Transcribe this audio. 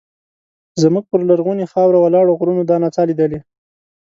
زموږ پر لرغونې خاوره ولاړو غرونو دا نڅا لیدلې.